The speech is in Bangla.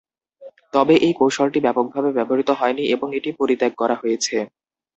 তবে, এই কৌশলটি ব্যাপকভাবে ব্যবহৃত হয়নি এবং এটি পরিত্যাগ করা হয়েছে।